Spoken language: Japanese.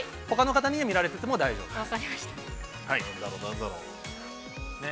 ほかの方に見られていても大丈夫。